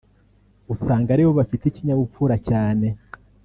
usanga aribo bafite ikinyabupfura cyane